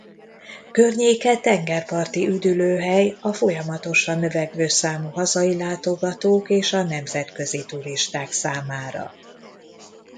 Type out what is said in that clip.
Környéke tengerparti üdülőhely a folyamatosan növekvő számú hazai látogatók és a nemzetközi turisták számára.